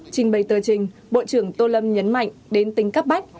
trình bày tờ trình bộ trưởng tô lâm nhấn mạnh đến tính cấp bách